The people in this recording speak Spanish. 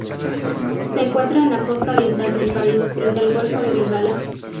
Se encuentra en la costa oriental del país, frente al golfo de Bengala.